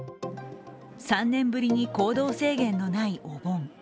３年ぶりに行動制限のないお盆。